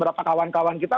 berapa kawan kawan kita